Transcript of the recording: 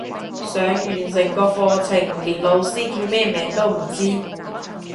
上完成個課程連老師叫咩名都唔知